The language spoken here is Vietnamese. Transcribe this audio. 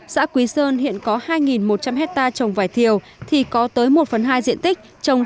xã quý sơn hiện có hai một trăm linh hectare trồng vải thiều thì có tới một phần hai diện tích trồng